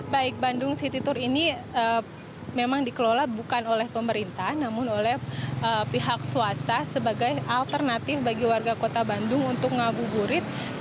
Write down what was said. baik bandung city tour ini memang dikelola bukan oleh pemerintah namun oleh pihak swasta sebagai alternatif bagi warga kota bandung untuk ngabuburit